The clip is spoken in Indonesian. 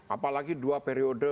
apalagi dua periode